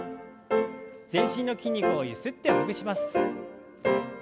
全身の筋肉をゆすってほぐします。